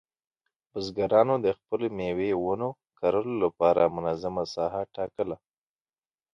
بزګران د خپلو مېوې ونو کرلو لپاره منظمه ساحه ټاکله.